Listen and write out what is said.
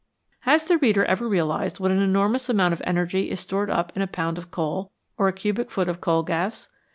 Has the reader ever realised what an enormous amount of energy is stored up in a pound of coal, or a cubic foot of coal gas